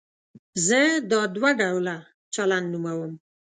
زه دا دوه ډوله چلند نوموم.